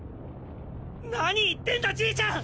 何言ってんだじいちゃん！